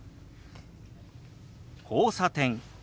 「交差点」。